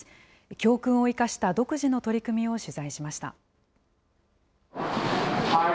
教訓を生かした独自の取り組みを取材しました。